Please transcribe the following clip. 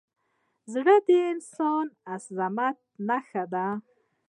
زړه د انساني عظمت نښه ده.